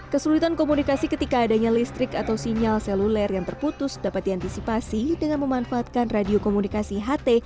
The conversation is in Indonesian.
kesulitan komunikasi ketika adanya listrik atau sinyal seluler yang terputus dapat diantisipasi dengan memanfaatkan radio komunikasi ht